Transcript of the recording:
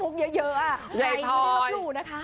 เขาขอบคมสร้อยมุกเยอะอ่ะ